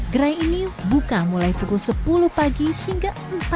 gerai ini buka mulai pukul sepuluh pagi hingga empat puluh